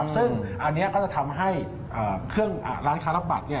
ซึ่งอันนี้ก็จะทำให้เครื่องร้านค้ารับบัตร